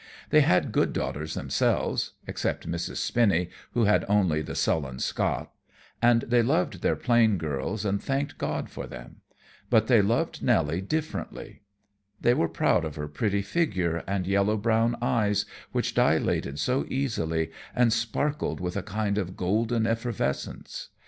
They had good daughters themselves, except Mrs. Spinny, who had only the sullen Scott, and they loved their plain girls and thanked God for them. But they loved Nelly differently. They were proud of her pretty figure and yellow brown eyes, which dilated so easily and sparkled with a kind of golden effervescence.